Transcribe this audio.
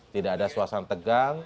tidak ada suasana tegang